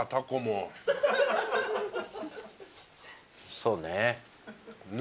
そうね。